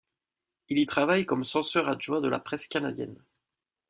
Il y travaille comme censeur adjoint de la presse canadienne.